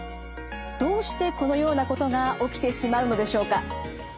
どうしてこのようなことが起きてしまうのでしょうか？